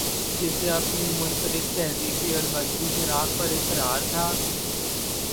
جسے اپنی منفردتہذیبی اورمذہبی شناخت پر اصرار تھا۔